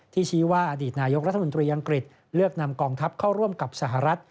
ชี้ว่าอดีตนายกรัฐมนตรีอังกฤษเลือกนำกองทัพเข้าร่วมกับสหรัฐ